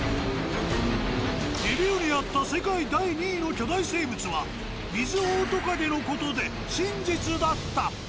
レビューにあった世界第２位の巨大生物はミズオオトカゲの事で真実だった。